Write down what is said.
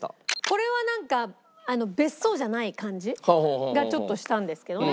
これはなんか別荘じゃない感じがちょっとしたんですけどね。